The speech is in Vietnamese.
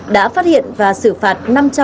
đã phát hiện và xử phạt